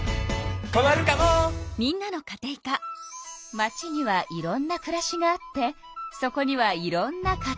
街にはいろんなくらしがあってそこにはいろんなカテイカが。